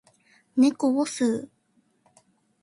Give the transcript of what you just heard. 猫を吸う